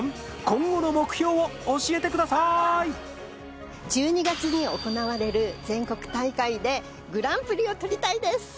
今後の目標を教えてくださーい１２月に行われる全国大会でグランプリを取りたいです